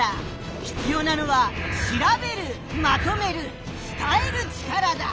ひつようなのはしらべるまとめるつたえる力だ。